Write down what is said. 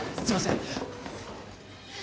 すいません。